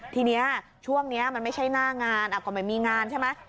ทีนี้ช่วงนี้มันไม่ใช่หน้างานก็ไม่มีงานใช่ไหม